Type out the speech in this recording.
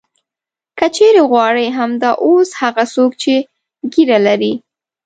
که چېرې غواړې همدا اوس هغه څوک چې ږیره لري.